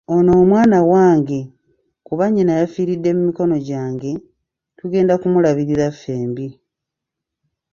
Ono omwana wange kuba nnyina yafiiridde mu mikono gyange, tugenda kumulabirira ffembi.